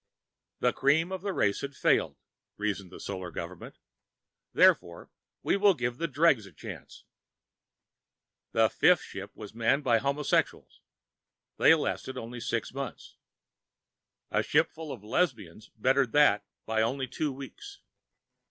The cream of the race had failed, reasoned the Solar Government, therefore, we will give the dregs a chance. The fifth ship was manned by homosexuals. They lasted only six months. A ship full of lesbians bettered that by only two weeks.